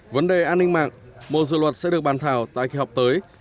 vấn đề an ninh mạng một dự luật sẽ được bàn thảo tại khi học tới